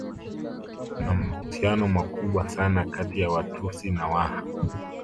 Kuna mahusiano makubwa sana kati ya Watusi na Waha